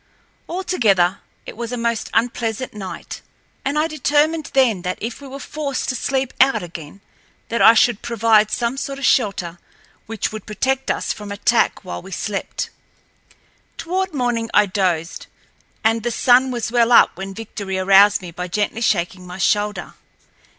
Altogether, it was a most unpleasant night, and I determined then that if we were forced to sleep out again that I should provide some sort of shelter which would protect us from attack while we slept. Toward morning I dozed, and the sun was well up when Victory aroused me by gently shaking my shoulder.